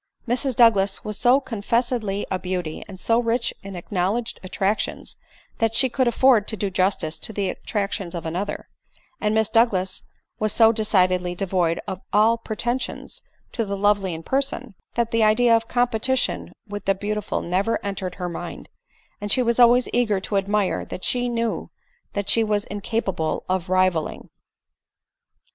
Mrs Douglas was so confessedly a beauty, so rich in acknowledged attractions, that she could afford to do justice to the attractions of another ; and Miss Douglas was so decidedly devoid of all preten sions to the lovely in person, that the idea of competition with the beautiful never entered her mind, and she was always eager to admire what she knew that she was in capable of rivalling.